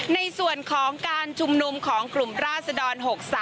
ในส่วนของการชุมนุมของกลุ่มราศดร๖๓